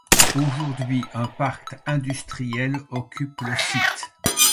Aujourd'hui, un parc industriel occupe le site.